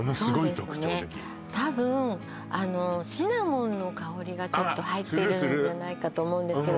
たぶんあのシナモンの香りがちょっと入ってるんじゃないかとあっするする！